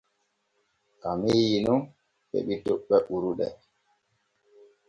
Kamiiyi nun heɓi toɓɓe ɓurɗe.